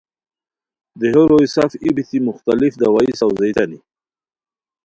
دیہو روئے سف ای بیتی مختلف دوائی ساؤزیتانی